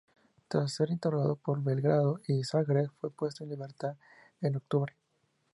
Tras ser interrogado en Belgrado y Zagreb, fue puesto en libertad en octubre.